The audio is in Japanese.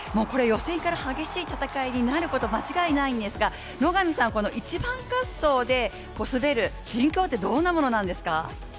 これ、予選から激しい戦いになること、間違いないんですが、野上さん、１番滑走で滑る心境ってどんなものなんですか？